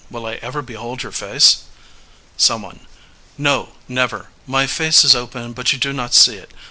Will I ever behold your face? Someone. No, never. My face is open, but you do not see it.